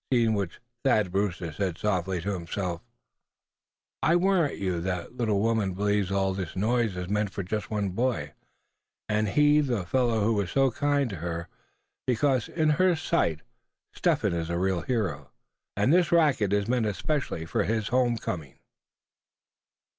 Seeing which Thad Brewster said softly to himself: "I warrant you that little woman believes all this noise is meant for just one boy, and he the fellow who was so kind to her; because, in her sight Step Hen is a real hero, and this racket is meant especially for his home coming."